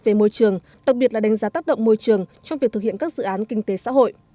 về môi trường đặc biệt là đánh giá tác động môi trường trong việc thực hiện các dự án kinh tế xã hội